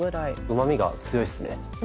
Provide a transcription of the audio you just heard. うまみが強いですね。